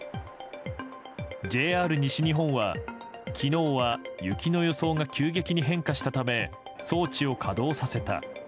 ＪＲ西日本は昨日は雪の予想が急激に変化したため装置を稼働させた。